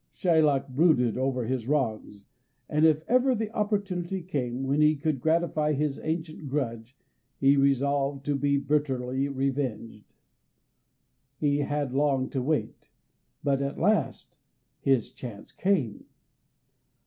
Shylock brooded over his wrongs, and if ever the opportunity came when he could gratify his ancient grudge, he resolved to be bitterly revenged. He had long to wait, but at last his chance came.